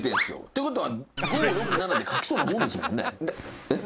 「って事は５６７で書きそうなもんですもんね」